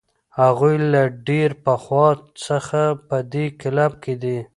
هغوی له ډېر پخوا څخه په دې کلب کې دي.